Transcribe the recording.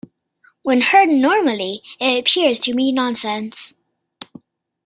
When heard normally, it appears to be nonsense.